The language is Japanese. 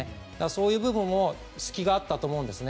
そういう部分も隙があったと思うんです。